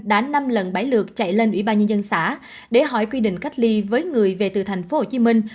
đã năm lần bảy lượt chạy lên ủy ban nhân dân xã để hỏi quy định cách ly với người về từ thành phố hồ chí minh